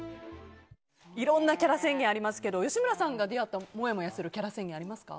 いろんなキャラ宣言ありますけど吉村さんが出会ったもやもやするキャラ宣言ありますか？